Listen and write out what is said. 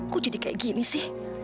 kok jadi kayak gini sih